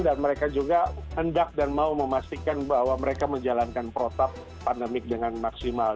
dan mereka juga hendak dan mau memastikan bahwa mereka menjalankan protak pandemik dengan maksimal